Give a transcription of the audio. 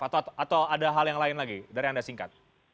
atau ada hal yang lain lagi dari anda singkat